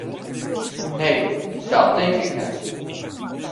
Nee, dat tink ik net.